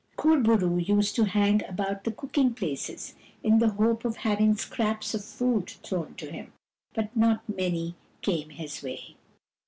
Kur bo roo used to hang about the cooking places in the hope of having scraps of food thrown to him, but not many came his way.